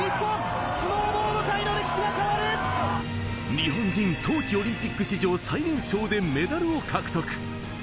日本人冬季オリンピック史上最年少でメダルを獲得。